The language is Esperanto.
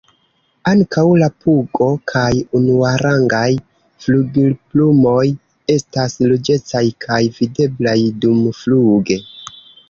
Ankaŭ la pugo kaj unuarangaj flugilplumoj estas ruĝecaj kaj videblaj dumfluge.